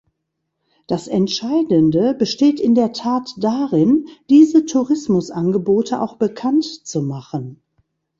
Das Entscheidende besteht in der Tat darin, diese Tourismusangebote auch bekannt zu machen.